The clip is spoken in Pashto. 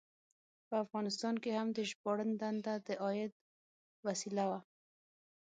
په افغانستان کې هم د ژباړن دنده د عاید وسیله وه.